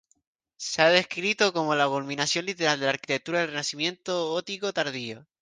Se ha descrito como la culminación literal de la arquitectura del renacimiento gótico tardío.